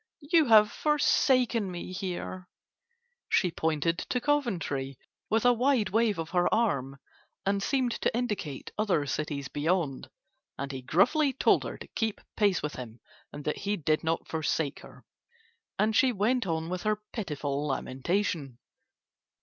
"You have forsaken me here." She pointed to Coventry with a wide wave of her arm and seemed to indicate other cities beyond. And he gruffly told her to keep pace with him and that he did not forsake her. And she went on with her pitiful lamentation.